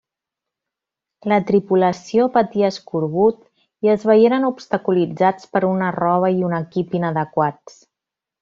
La tripulació patí Escorbut i es veieren obstaculitzats per una roba i un equip inadequats.